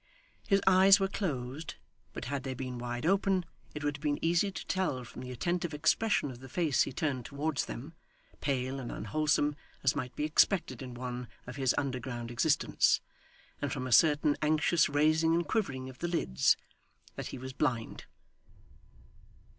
His eyes were closed; but had they been wide open, it would have been easy to tell, from the attentive expression of the face he turned towards them pale and unwholesome as might be expected in one of his underground existence and from a certain anxious raising and quivering of the lids, that he was blind.